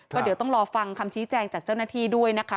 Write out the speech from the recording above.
ก็เดี๋ยวต้องรอฟังคำชี้แจงจากเจ้าหน้าที่ด้วยนะคะ